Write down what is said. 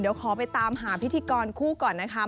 เดี๋ยวขอไปตามหาพิธีกรคู่ก่อนนะคะ